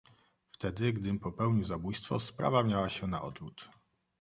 "Wtedy, gdym, popełnił zabójstwo, sprawa miała się na odwrót."